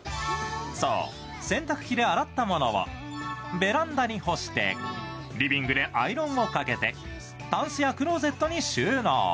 そう、洗濯機で洗ったものをベランダに干してリビングでアイロンをかけてたんすやクローゼットに収納。